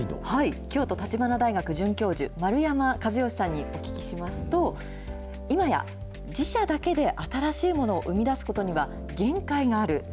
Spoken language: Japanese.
はい、京都橘大学、准教授、丸山一芳さんにお聞きしますと、今や、自社だけで、新しいものを生み出すことには限界がある。